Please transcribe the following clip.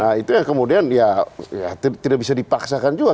nah itu yang kemudian ya tidak bisa dipaksakan juga